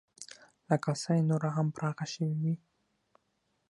که کاسه یې نوره هم پراخه شوې وی،